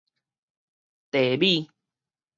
茶米